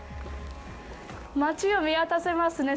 街を見渡せますね。